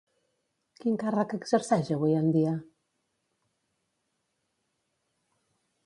Quin càrrec exerceix avui en dia?